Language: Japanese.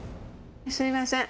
すみません。